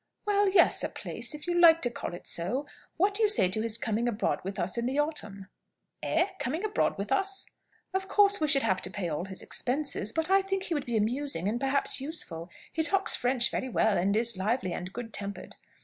"Well, yes; a place, if you like to call it so. What do you say to his coming abroad with us in the autumn?" "Eh! Coming abroad with us?" "Of course we should have to pay all his expenses. But I think he would be amusing, and perhaps useful. He talks French very well, and is lively and good tempered."